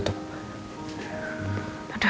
aduh kebiasaan deh dia